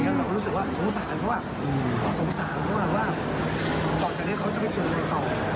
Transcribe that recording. เราก็รู้สึกว่าสงสารเพราะว่าสงสารเพราะว่าต่อจากนี้เขาจะไม่เจออะไรต่อ